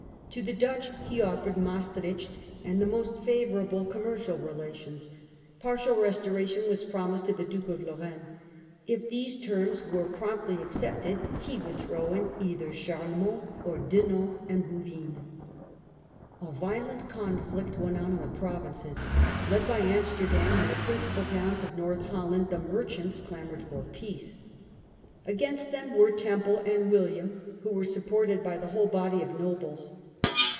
To the Dutch he offered Maestricht and the most favourable commercial relations. Partial restoration was promised to the Duke of Lorraine. If these terms were promptly April. 254 The Peace of Nimwegen. 1678. accepted, he would throw in either Charlemont, or Dinant and Bouvines. A violent conflict went on in the Provinces. Led by Amsterdam and the principal tojyns of North Holland, the merchants clamoured for peace. Against them were Temple and William, who was supported by the whole William and body of nobles.